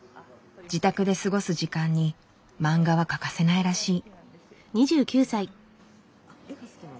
自宅で過ごす時間にマンガは欠かせないらしい。